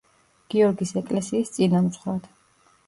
გიორგის ეკლესიის წინამძღვრად.